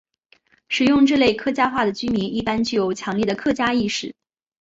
使用这类客家话的居民一般具有强烈的客家意识。